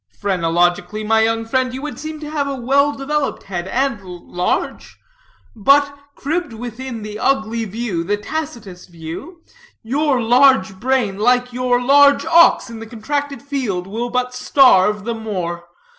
Phrenologically, my young friend, you would seem to have a well developed head, and large; but cribbed within the ugly view, the Tacitus view, your large brain, like your large ox in the contracted field, will but starve the more.